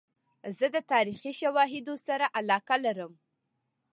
زه د تاریخي شواهدو سره علاقه لرم.